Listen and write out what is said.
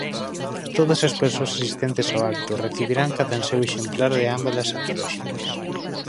Todas as persoas asistentes ao acto recibirán cadanseu exemplar de ambas as antoloxías.